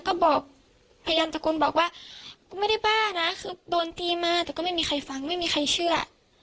ก็บอกพยายามตะโกนบอกว่ากูไม่ได้บ้านะคือโดนตีมาแต่ก็ไม่มีใครฟังไม่มีใครเชื่อ